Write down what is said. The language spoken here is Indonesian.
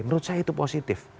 menurut saya itu positif